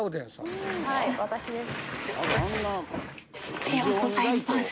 はい私です。